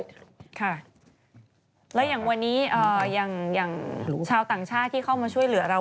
ค่ะแล้วอย่างวันนี้อย่างชาวต่างชาติที่เข้ามาช่วยเหลือเรา